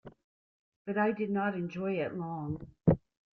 But I did not enjoy it long.